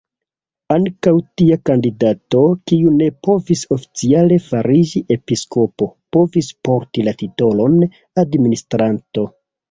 Ankaŭ tia kandidato, kiu ne povis oficiale fariĝi episkopo, povis porti la titolon "administranto".